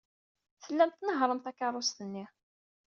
Tellam tnehhṛem takeṛṛust-nni.